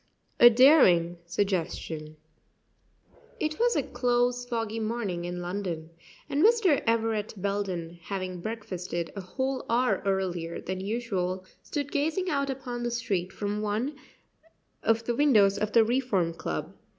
A DARING SUGGESTION. [Illustration: 9159] It was a close foggy morning in London, and Mr. Everett Belden, having breakfasted a whole hour earlier than usual, stood gazing out upon the street from one of the windows of the Reform Club.